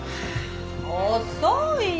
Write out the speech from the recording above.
遅いよ。